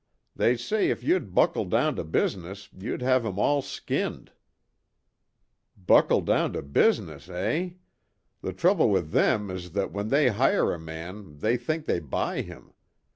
They say if you'd buckle down to business you'd have 'em all skinned." "Buckle down to business, eh! The trouble with them is that when they hire a man they think they buy him.